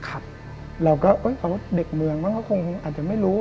เราก็เด็กเมืองมั้งก็คงอาจจะไม่รู้